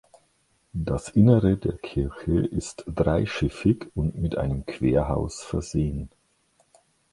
Das Innere der Kirche ist dreischiffig und mit einem Querhaus versehen.